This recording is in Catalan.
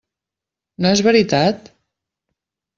No és veritat?